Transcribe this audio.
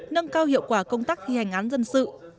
nâng cao hiệu quả công tác thi hành án dân sự